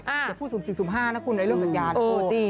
จะพูด๐๔๐๕นะคุณในเรื่องสัญญานะ